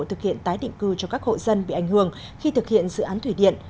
thực hiện tái định cư cho các hộ dân bị ảnh hưởng khi thực hiện dự án thủy điện